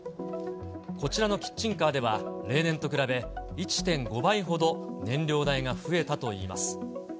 こちらのキッチンカーでは、例年と比べ１．５倍ほど燃料代が増えたといいます。